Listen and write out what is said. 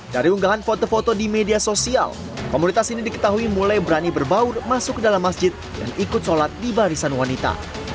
dari unggahan foto foto di media sosial komunitas ini diketahui mulai berani berbaur masuk ke dalam masjid dan ikut sholat di barisan wanita